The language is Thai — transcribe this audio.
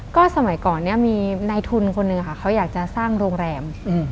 ก็สมัยก่อนเนี่ยมีนายทุนคนหนึ่งค่ะเขาอยากจะสร้างโรงแรม